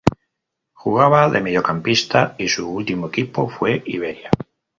Jugaba de mediocampista y su último equipo fue Iberia.